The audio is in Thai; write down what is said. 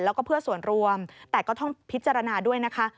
แล้วก็เพื่อส่วนรวมแต่ก็ต้องพิจารณาด้วยนะคะ